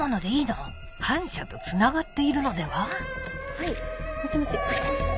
はいもしもし。